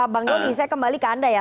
bang joni saya kembali ke anda ya